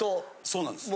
そうなんです。